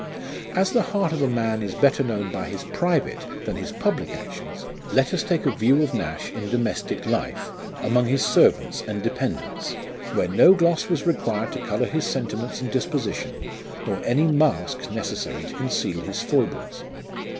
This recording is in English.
As the heart of a man is better known by his private than his public actions, let us take a view of Nash in domestic life ; among his servants and dependants, where no gloss was required to colour his sentiments and dis position, nor any mask necessary to conceal his foibles.